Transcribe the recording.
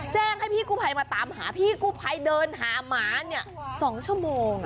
แจ้งให้พี่กู้ภัยมาตามหาพี่กู้ภัยเดินหาหมาเนี่ย๒ชั่วโมง